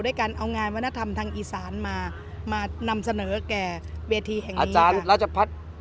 ได้การเอางานวัฒนธรรมทางอิสรารมานำเสนอแดร์เวทีแห่งนี้ค่ะ